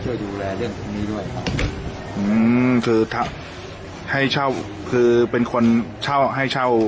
ก่อนก็รู้ว่าไม่มีพันการรองเท้าได้เลย